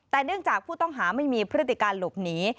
แต่เนื่องจากผู้ต้องหาไม่มีพฤติการหลบหนี